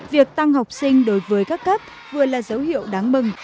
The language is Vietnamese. việc tăng học sinh đối với các cấp vừa là dấu hiệu đáng mừng